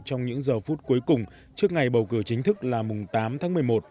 trong những giờ phút cuối cùng trước ngày bầu cử chính thức là mùng tám tháng một mươi một